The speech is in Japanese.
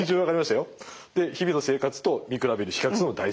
で日々の生活と見比べる比較するの大事。